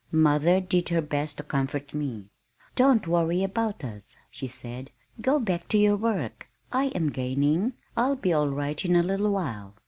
Mother did her best to comfort me. "Don't worry about us," she said. "Go back to your work. I am gaining. I'll be all right in a little while."